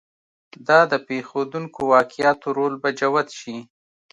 دا د پېښېدونکو واقعاتو رول به جوت شي.